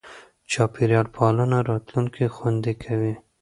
چاپېریال پالنه راتلونکی خوندي کوي.